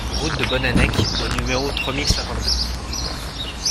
Route de Bonnanech au numéro trois mille cinquante-deux